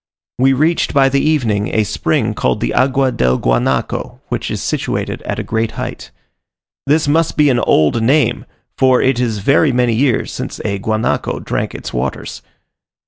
We reached by the evening, a spring called the Agua del Guanaco, which is situated at a great height. This must be an old name, for it is very many years since a guanaco drank its waters.